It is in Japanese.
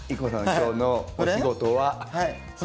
今日のお仕事は採点。